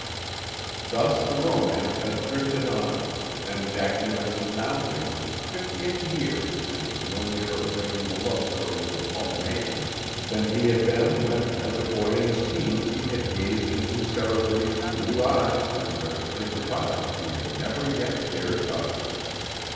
Thus the romance had drifted on, and Jack Nickerson now faced his fiftieth year and was no nearer bringing the love story to a culmination than he had been when as a boy in his teens he had gazed into Sarah Libbie's blue eyes and registered the vows he had never yet dared utter.